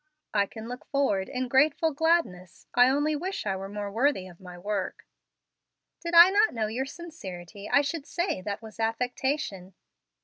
"I can look forward in grateful gladness. I only wish I were more worthy of my work." "Did I not know your sincerity I should say that was affectation."